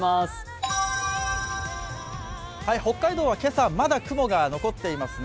北海道は今朝まだ雲が残っていますね。